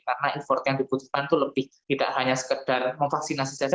karena effort yang dibutuhkan itu lebih tidak hanya sekedar memvaksinasi saja